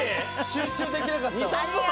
集中できなかったわ。